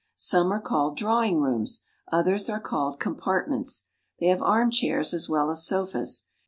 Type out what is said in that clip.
Some are called drawing rooms. Others are called compartments. They have arm chairs as well as sofas.